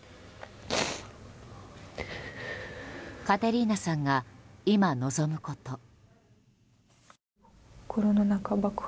カテリーナさんが今、望むこと。